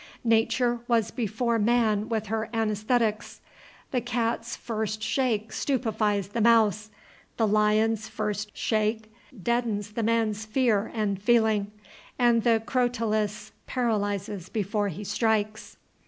Nature was before man with her anaesthetics: the cat's first shake stupefies the mouse; the lion's first shake deadens the man's fear and feeling; and the crotalus paralyzes before he strikes.